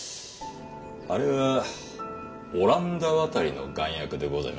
あれはオランダわたりの丸薬でございましてね。